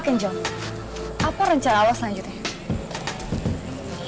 oke jom apa rencana lo selanjutnya